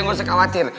nggak usah khawatir